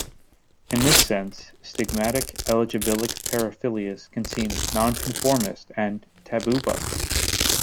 In this sense, stigmatic-eligibilic paraphilias can seem 'non-conformist' and 'taboo-busting.